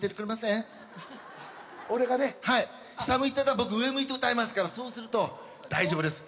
俺がねはい下向いてたら僕上向いて歌いますからそうすると大丈夫です